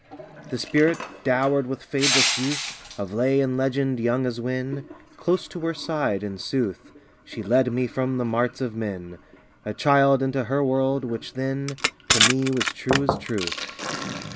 II The Spirit, dowered with fadeless youth Of Lay and Legend, young as when, Close to her side, in sooth, She led me from the marts of men, A child, into her world, which then To me was true as truth.